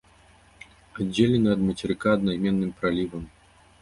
Аддзелены ад мацерыка аднайменным пралівам.